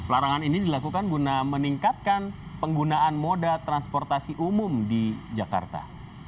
larangan ini dilakukan guna meningkatkan penggunaan moda transportasi umum di jakarta